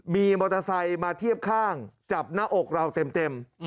มีมอเตอร์ไซค์มาเทียบข้างจับหน้าอกเราเต็ม